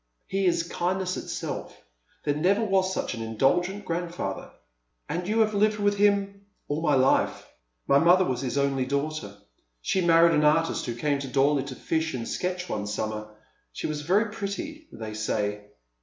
" He is kindness itself. There never was such an indulgent grandfather." " And yon have lived with him "" All my life. My mother was his only daughter. She married an artist who came to Dorley to fish and sketch one summer. She was very pretty, they say."